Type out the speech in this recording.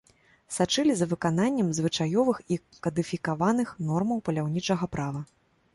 Сачылі за выкананнем звычаёвых і кадыфікаваных нормаў паляўнічага права.